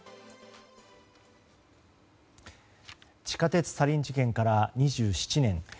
地下鉄サリン事件から２７年。